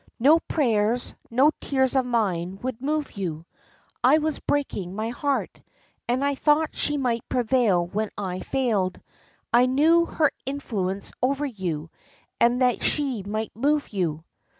No prayers, no tears of mine would move you. I was breaking my heart, and I thought she might prevail when I failed; I knew her influence over you, and that she might move you."